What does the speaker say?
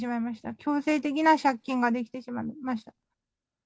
強制的な借金が出来てしまいました。